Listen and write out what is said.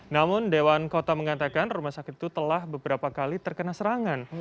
namun dewan kota mengatakan rumah sakit itu telah beberapa kali terkena serangan